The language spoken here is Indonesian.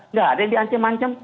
nggak ada yang diancam ancam